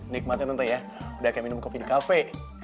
nikmatin tante ya udah kayak minum kopi di cafe